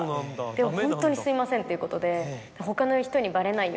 でもホントにすいませんということで「他の人に」。